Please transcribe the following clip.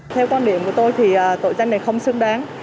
theo quan điểm của tôi thì tội danh này không xứng đáng